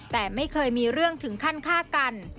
แต่ไม่เคยมีเรื่องถึงขั้นฆ่ากัน